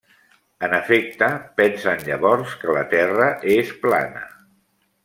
En efecte, pensen llavors que la Terra és plana.